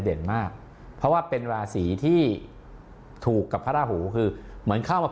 เด่นมากเพราะว่าเป็นราศีที่ถูกกับพระราหูคือเหมือนเข้ามา